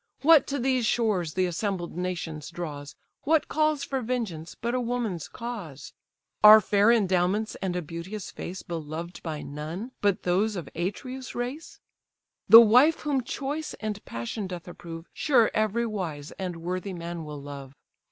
What to these shores the assembled nations draws, What calls for vengeance but a woman's cause? Are fair endowments and a beauteous face Beloved by none but those of Atreus' race? The wife whom choice and passion doth approve, Sure every wise and worthy man will love.